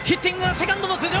セカンドの頭上！